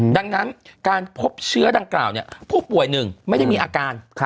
ดังนั้นการพบเชื้อดังกล่าวผู้ป่วยหนึ่งไม่ได้มีอาการ